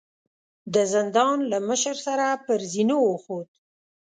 د زندان له مشر سره پر زينو وخوت.